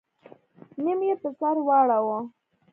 نيم يې په سر واړوه.